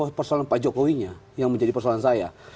ini bukan persoalan pak jokowinya yang menjadi persoalan saya